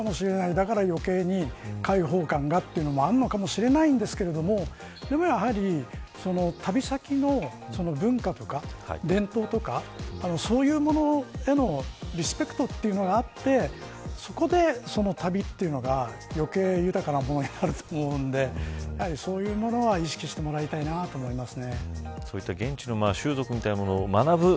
だから余計に解放感がというのもあるかもしれないけどでも、やはり旅先の文化とか伝統とかそういうものへのリスペクトというのがあってそこで旅というのが余計豊かなものになると思うのでやはり、そういうものは意識してもらいたいと思います。